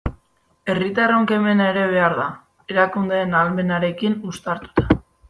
Herritarron kemena ere behar da, erakundeen ahalmenarekin uztartuta.